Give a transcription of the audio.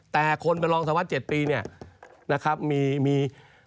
แต่คนเป็นรองสละวัด๗ปีเนี่ย